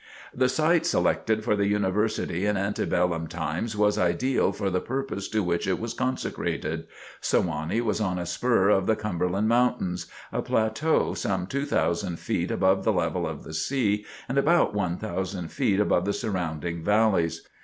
The site selected for the University in ante bellum times was ideal for the purpose to which it was consecrated. Sewanee is on a spur of the Cumberland Mountains, a plateau some two thousand feet above the level of the sea and about one thousand feet above the surrounding valleys.